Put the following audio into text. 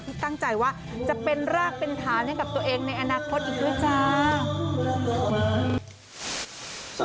ตั้งใจว่าจะเป็นรากเป็นฐานให้กับตัวเองในอนาคตอีกด้วยจ้า